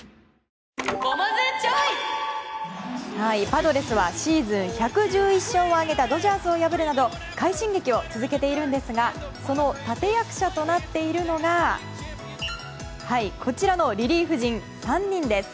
パドレスはシーズン１１１勝を挙げたドジャースを破るなど快進撃を続けているんですがその立役者となっているのがこちらのリリーフ陣３人です。